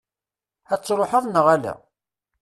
Ad d-truḥeḍ, neɣ ala?